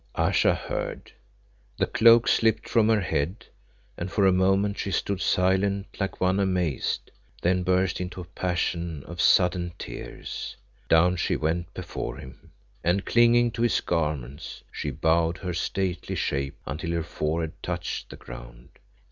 Ayesha heard, the cloak slipped from her head, and for a moment she stood silent like one amazed, then burst into a passion of sudden tears. Down she went before him, and clinging to his garments, she bowed her stately shape until her forehead touched the ground.